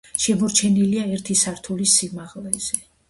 შემორჩენილია ერთი სართულის სიმაღლეზე.